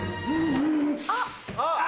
あっ。